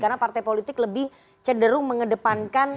karena partai politik lebih cenderung mengedepankan